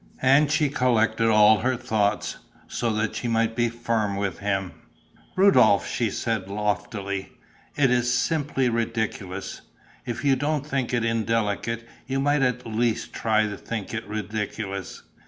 And she collected all her thoughts, so that she might be firm with him: "Rudolph," she said, loftily, "it is simply ridiculous. If you don't think it indelicate, you might at least try to think it ridiculous.